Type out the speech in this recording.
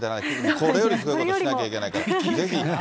これよりすごいことしなきゃいけないから、ぜひ。